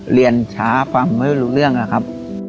เรียนช้าฟังไม่รู้เรื่องอะครับ